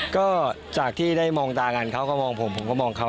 ก็จากที่ได้มองตากันเขาก็มองผมผมก็มองเขา